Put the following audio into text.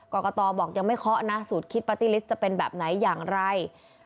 กรกตบอกยังไม่เคาะนะสูตรคิดปาร์ตี้ลิสต์จะเป็นแบบไหนอย่างไร